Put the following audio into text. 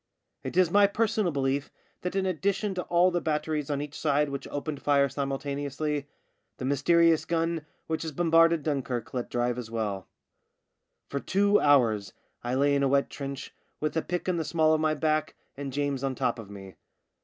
It is my personal belief that in addition to all the batteries on each side which opened fire simultaneously, the mysterious gun which has bombarded Dunkirk let drive as well. JAMES AND THE LAND MINE 79 For two hours I lay in a wet trench, with a pick in the small of my back and James on top of me.